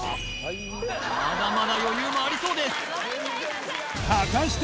まだまだ余裕もありそうです果たして